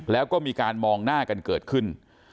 แล้วก็มีการมองหน้ากันเกิดขึ้น